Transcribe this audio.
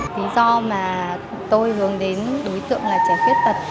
lý do mà tôi hướng đến đối tượng là trẻ khuyết tật